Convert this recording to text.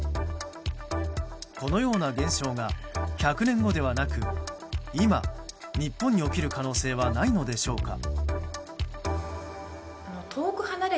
このような現象が１００年後ではなく今、日本に起きる可能性はないのでしょうか。